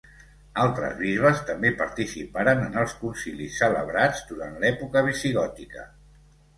Altres bisbes també participaren en els concilis celebrats durant l'època visigòtica.